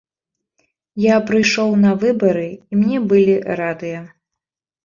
Я прыйшоў на выбары, і мне былі радыя.